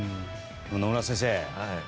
野村先生